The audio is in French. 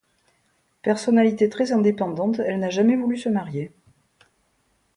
Personnalité très indépendante, elle n'a jamais voulu se marier.